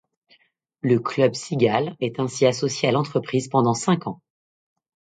Le club Cigales est ainsi associé à l'entreprise pendant cinq ans.